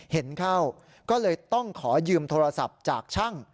เห็นเข้าก็เลยต้องขอยืมโทรศัพท์จากช่าง